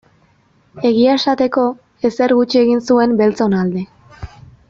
Egia esateko, ezer gutxi egin zuen beltzon alde.